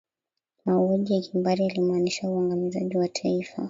mauaji ya kimbari yalimaanishe uangamizaji wa taifa